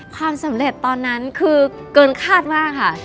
ความสำเร็จตอนนั้นคือเกินคาดมากค่ะ